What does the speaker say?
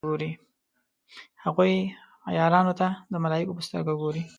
هغوی عیارانو ته د ملایکو په سترګه ګوري.